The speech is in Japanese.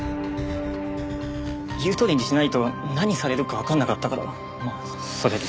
言うとおりにしないと何されるかわかんなかったからまあそれで。